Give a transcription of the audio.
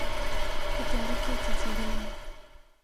په تیاره کې څڅیدلې